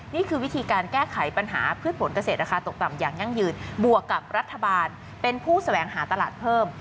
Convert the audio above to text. นี่คือวิธีการแก้ไขปัญหาพืชผลเกษตรราคาตกต่ำอย่างยั่งยืนบวกกับรัฐบาลเป็นผู้แสวงหาตลาดเพิ่ม